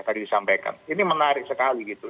tadi disampaikan ini menarik sekali gitu